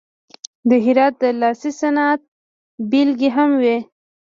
د هرات د لاسي صنعت بیلګې هم وې.